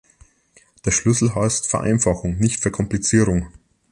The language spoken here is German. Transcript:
Der Schlüssel heißt Vereinfachung, nicht Verkomplizierung.